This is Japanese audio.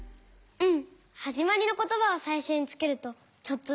うん！